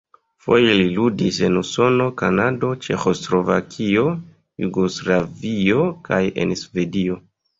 Foje li ludis en Usono, Kanado, Ĉeĥoslovakio, Jugoslavio kaj en Svedio.